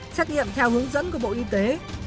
xét nghiệm theo hướng dẫn của bộ y tế